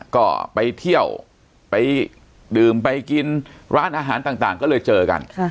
ก็ไปเที่ยวไปดื่มไปกินร้านอาหารต่างก็เลยเจอกัน